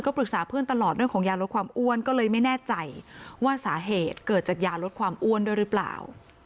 ปรึกษาเพื่อนตลอดเรื่องของยาลดความอ้วนก็เลยไม่แน่ใจว่าสาเหตุเกิดจากยาลดความอ้วนด้วยหรือเปล่า